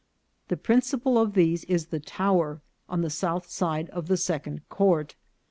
The principal of these is the tower, on the south side of the second court.